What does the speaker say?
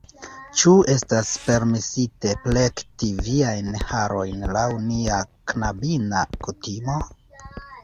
Ĉu estas permesite plekti viajn harojn laŭ nia knabina kutimo?